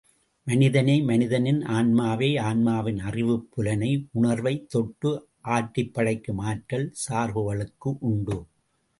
மனிதனை மனிதனின் ஆன்மாவை, ஆன்மாவின் அறிவுப் புலனை, உணர்வைத் தொட்டு ஆட்டிப் படைக்கும் ஆற்றல் சார்புகளுக்கு உண்டு.